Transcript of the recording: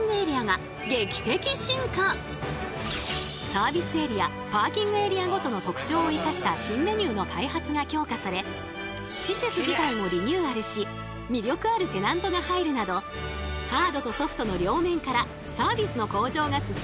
サービスエリアパーキングエリアごとの特徴を生かした施設自体もリニューアルし魅力あるテナントが入るなどハードとソフトの両面からサービスの向上が進んだのです。